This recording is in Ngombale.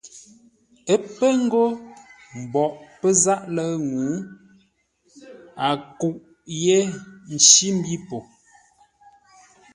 Ə́ pə̂ ńgó mboʼ pə́ záʼ lə̂ʉ ŋuu, a kûʼ yé ncí mbî po.